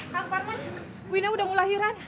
kak farman wina udah mulai lahiran